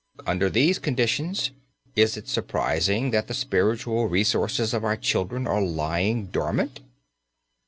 Under these conditions, is it surprising that the spiritual resources of our children are lying dormant?